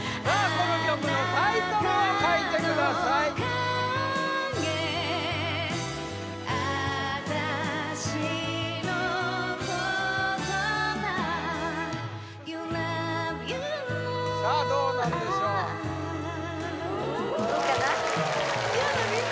この曲のタイトルを書いてくださいさあどうなるでしょうやだ